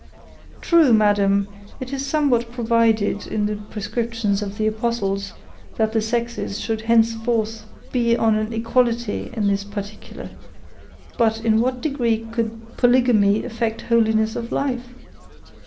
"True, madam, it is somewhere provided in the prescriptions of the apostles, that the sexes should henceforth be on an equality in this particular. But in what degree could polygamy affect holiness of life?